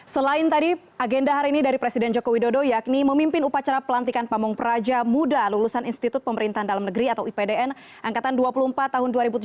selain tadi agenda hari ini dari presiden joko widodo yakni memimpin upacara pelantikan pamung praja muda lulusan institut pemerintahan dalam negeri atau ipdn angkatan dua puluh empat tahun dua ribu tujuh belas